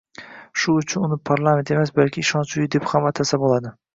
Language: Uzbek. Shu uchun uni “parlament” emas, balki “ishonch uyi” deb atasa ham bo‘ladi